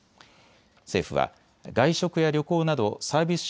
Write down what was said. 政府は外食や旅行などサービス